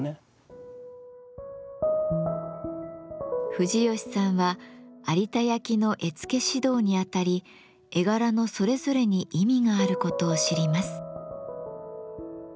藤吉さんは有田焼の絵付け指導にあたり絵柄のそれぞれに意味があることを知ります。